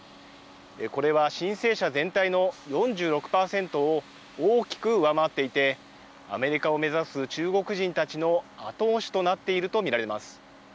これは申請者全体の４６％を大きく上回っていて、アメリカを目指す中国人たちの後押しとなっていると見られます。